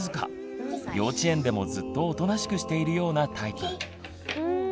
幼稚園でもずっとおとなしくしているようなタイプ。